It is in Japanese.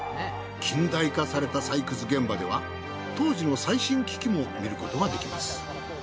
近代化された採掘現場では当時の最新機器も見ることができます。